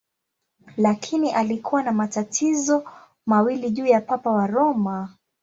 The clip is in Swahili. Lakini alikuwa na matatizo mawili juu ya Papa wa Roma.